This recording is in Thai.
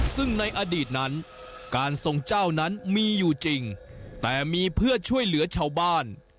ซึ่งในอดีตนั้นการทรงเจ้านั้นมีอยู่จริงแต่มีเพื่อช่วยเหลือชาวบ้าน